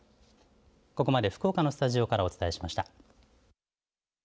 ここまで、福岡のスタジオからお伝えしました。